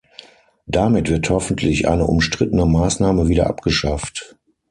Damit wird hoffentlich eine umstrittene Maßnahme wieder abgeschafft.